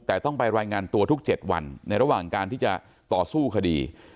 แต่ต้องไปรายงานตัวทุก๗วันในระหว่างการที่จะต่อสู้คดี